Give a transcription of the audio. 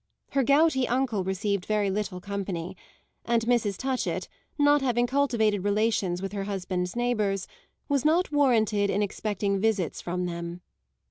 Her gouty uncle received very little company, and Mrs. Touchett, not having cultivated relations with her husband's neighbours, was not warranted in expecting visits from them.